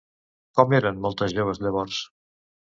Com eren moltes joves llavors?